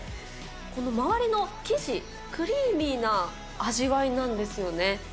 この周りの生地、クリーミーな味わいなんですよね。